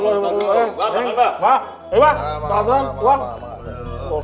bapak bapak bapak